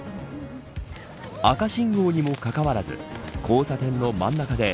赤信号にもかかわらず交差点の真ん中で